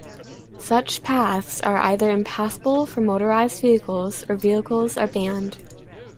Such paths are either impassable for motorized vehicles, or vehicles are banned.